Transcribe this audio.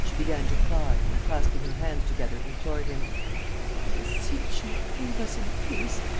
She began to cry and, clasping her hands together, implored him: "I beseech you, leave us in peace.